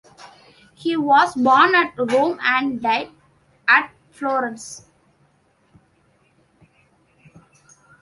He was born at Rome and died at Florence.